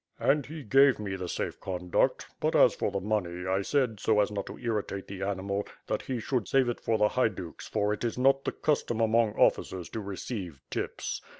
And he gave me the safe conduct; but, as for the money, I said, so as not to irritate the animal, that he should save it for the Haiduks for it is not the custom among officers to receive tips.